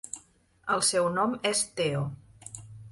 El seu nom és Teo.